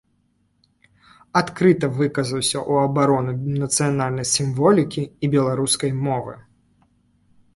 Адкрыта выказаўся ў абарону нацыянальнай сімволікі і беларускай мовы.